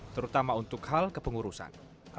terutama untuk hal kepengurusan